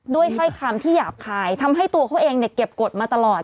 ถ้อยคำที่หยาบคายทำให้ตัวเขาเองเนี่ยเก็บกฎมาตลอด